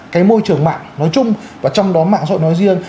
cái môi trường mạng nói chung và trong đó mạng dội nói riêng